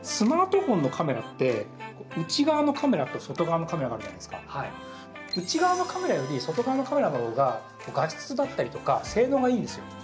実はポイントがありまして内側のカメラより、外側のカメラの方が画質だったりとか性能がいいんですよ。